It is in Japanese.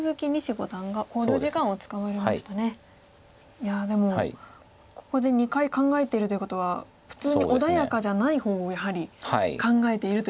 いやでもここで２回考えてるということは普通に穏やかじゃない方をやはり考えているということですよね。